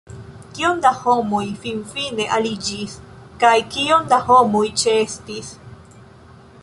Kiom da homoj finfine aliĝis, kaj kiom da homoj ĉeestis?